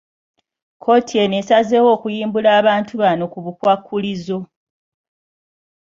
Kkooti eno esazeewo okuyimbula abantu bano ku bukwakkulizo.